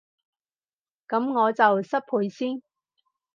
噉我就失陪先